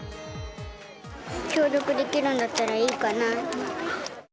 協力できるんだったらいいかな。